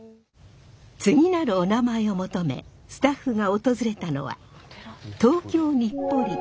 次なるおなまえを求めスタッフが訪れたのは東京・日暮里。